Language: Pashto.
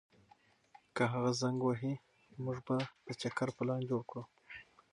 که هغه زنګ ووهي، موږ به د چکر پلان جوړ کړو.